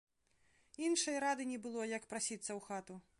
Іншай рады не было, як прасіцца ў хату.